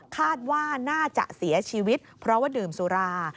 คาดว่าน่าจะเสียชีวิตเพราะว่าดื่มสุรา